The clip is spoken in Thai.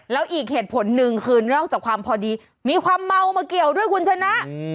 แล้วอีกเหตุผลหนึ่งคือนอกจากความพอดีมีความเมามาเกี่ยวด้วยคุณชนะ